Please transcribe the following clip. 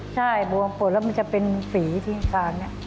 ใช่บวมปวดแล้วมันจะเป็นฝีที่ขาดนี่